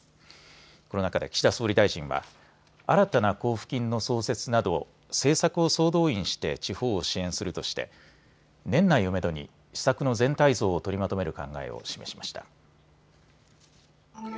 この中で岸田総理大臣は新たな交付金の創設など政策を総動員して地方を支援するとして年内をめどに施策の全体像を取りまとめる考えを示しました。